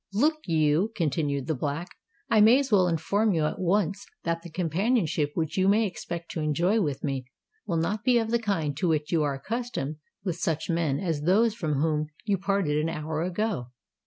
"Look you," continued the Black,—"I may as well inform you at once that the companionship which you may expect to enjoy with me, will not be of the kind to which you are accustomed with such men as those from whom you parted an hour ago.